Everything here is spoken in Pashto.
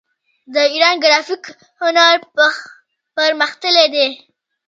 د ایران ګرافیک هنر پرمختللی دی.